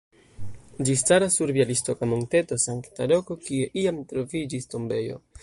Ĝi staras sur bjalistoka monteto Sankta Roko kie iam troviĝis tombejo.